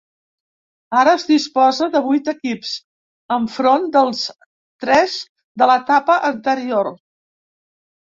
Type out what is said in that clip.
Ara es disposa de vuit equips, enfront dels tres de l’etapa anterior.